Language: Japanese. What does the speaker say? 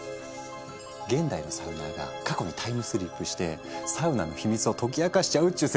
現代のサウナーが過去にタイムスリップしてサウナの秘密を解き明かしちゃうっちゅう設定で。